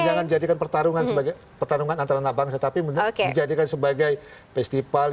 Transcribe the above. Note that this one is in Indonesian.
jangan menjadikan pertarungan antara anak bangsa tapi menjadikan sebagai festival